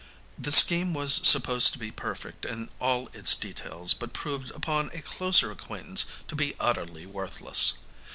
The scheme was supposed to be perfect in all its details, but proved upon a closer acquaintance to be utterly worthless.